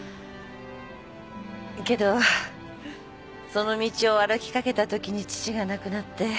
けどその道を歩きかけたときに父が亡くなって。